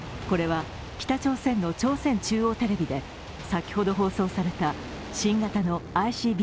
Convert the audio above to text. これは北朝鮮の朝鮮中央テレビで先ほど放送された新型のＩＣＢＭ